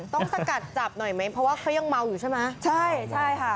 สกัดจับหน่อยไหมเพราะว่าเขายังเมาอยู่ใช่ไหมใช่ใช่ค่ะ